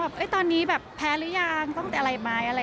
แบบตอนนี้แพ้หรือยังต้องอะไรไหมอะไร